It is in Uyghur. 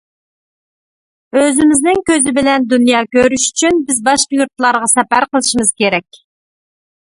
ئۆزىمىزنىڭ كۈزى بىلەن دۇنيا كۈرۈك ئۈچۈن بىز باشقا يۇرتلارغا سەپەر قىلىشىمىز كىرەي.